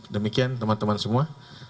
demikian teman teman semua